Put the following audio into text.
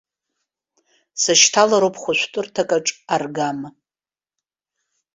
Сышьҭалароуп хәышәтәырҭакаҿ аргама.